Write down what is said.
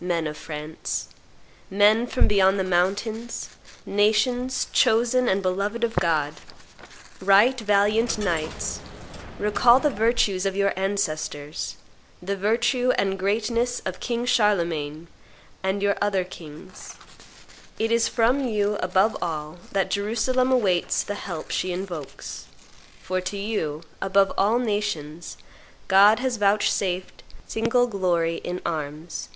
. men of France, men from beyond the mountains, nations chosen and beloved of God, right valiant knights, recall the virtues of your ancestors, the virtue and greatness of King Charlemagne and your other kings; it is from you above all that Jerusalem awaits the help she invokes, for to you, above all nations, God has vouchsafed signal glory in arms.